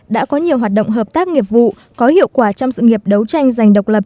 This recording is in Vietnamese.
đã có nhiều hoạt động hợp tác nghiệp vụ có hiệu quả trong sự nghiệp đấu tranh giành độc lập